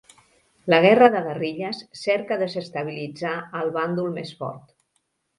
La guerra de guerrilles cerca desestabilitzar al bàndol més fort.